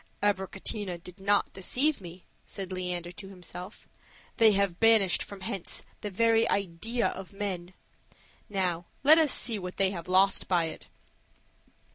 "Abricotina did not deceive me," said Leander to himself; "they have banished from hence the very idea of men; now let us see what they have lost by it."